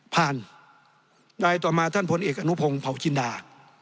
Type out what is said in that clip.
รายต่อมาท่านพลเอกอนุพงศ์เผาจินดา